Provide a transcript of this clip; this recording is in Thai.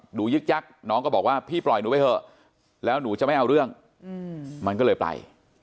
ยึกยักน้องก็บอกว่าพี่ปล่อยหนูไปเถอะแล้วหนูจะไม่เอาเรื่องมันก็เลยไป